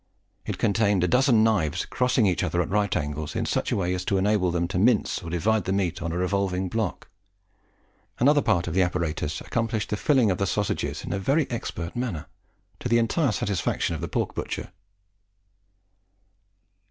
It contained a dozen knives crossing each other at right angles in such a way as to enable them to mince or divide the meat on a revolving block. Another part of the apparatus accomplished the filling of the sausages in a very expert manner, to the entire satisfaction of the pork butcher.